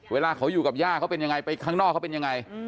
เวลาเขาอยู่กับย่าเขาเป็นยังไงไปข้างนอกเขาเป็นยังไง